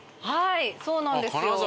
はいそうなんですよ。